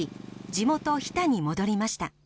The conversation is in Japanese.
地元日田に戻りました。